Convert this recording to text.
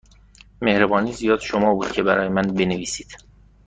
مهربانی زیاد شما بود که برای من بنویسید.